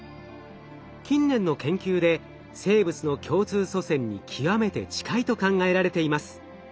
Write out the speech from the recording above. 近年の研究で生物の共通祖先に極めて近いと考えられています。